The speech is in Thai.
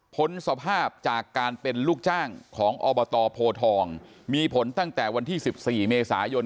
พ้นสภาพจากการเป็นลูกจ้างของอบตโพทองมีผลตั้งแต่วันที่๑๔เมษายน